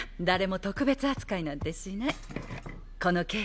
誰も特別扱いなんてしない。